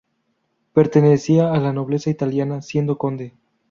Pertenecía a la nobleza italiana, siendo conde.